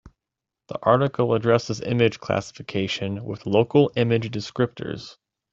The article addresses image classification with local image descriptors.